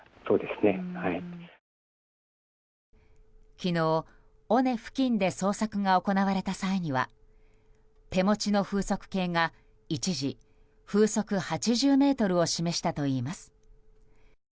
昨日、尾根付近で捜索が行われた際には手持ちの風速計が一時、風速８０メートルを示したといいます。